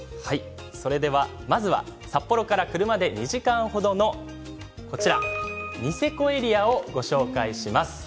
まずは札幌から車で２時間程のニセコエリアをご紹介します。